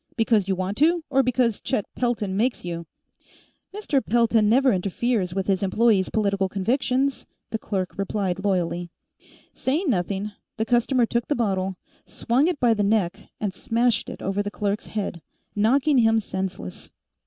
"Because you want to, or because Chet Pelton makes you?" "Mr. Pelton never interferes with his employees' political convictions," the clerk replied loyally. Saying nothing, the customer took the bottle, swung it by the neck, and smashed it over the clerk's head, knocking him senseless.